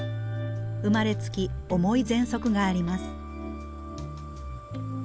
生まれつき重いぜんそくがあります。